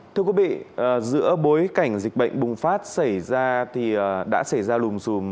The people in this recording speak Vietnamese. thưa quý vị giữa bối cảnh dịch bệnh bùng phát xảy ra thì đã xảy ra lùm xùm